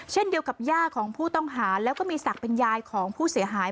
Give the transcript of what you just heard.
เช่นเดียวกับย่าของผู้ต้องหาแล้วก็มีศักดิ์เป็นยายของผู้เสียหาย